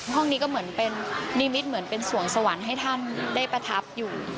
ห้องนี้ก็เหมือนเป็นนิมิตเหมือนเป็นสวงสวรรค์ให้ท่านได้ประทับอยู่